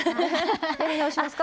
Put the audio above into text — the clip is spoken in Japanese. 編み直しますか？